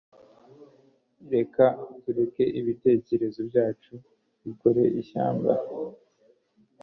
Reka tureke ibitekerezo byacu bikore ishyamba.